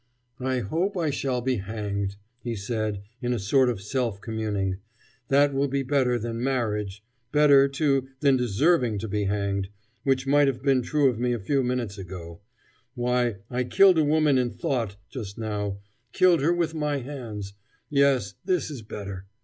"I hope I shall be hanged," he said, in a sort of self communing. "That will be better than marriage better, too, than deserving to be hanged, which might have been true of me a few minutes ago. Why, I killed a woman in thought just now killed her, with my hands. Yes, this is better.